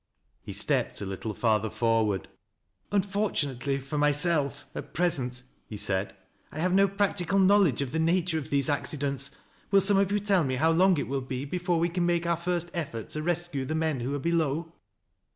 He stepped a little farther forward. " Unfortunately for myself, at present," he said, " I have no practical knowledge of the nature of these acci dents. Will some of you tell me how long it will be before we can make our first effort to rescue the men who are below?"